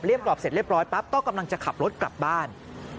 กรอบเสร็จเรียบร้อยปั๊บก็กำลังจะขับรถกลับบ้าน